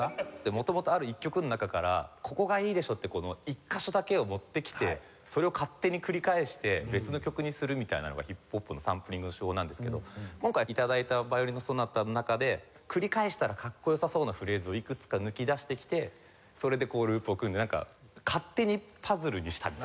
元々ある１曲の中から「ここがいいでしょ」って１カ所だけを持ってきてそれを勝手に繰り返して別の曲にするみたいなのがヒップホップのサンプリングの手法なんですけど今回頂いた『ヴァイオリン・ソナタ』の中で繰り返したらかっこよさそうなフレーズをいくつか抜き出してきてそれでループを組んでなんか勝手にパズルにしたみたいな。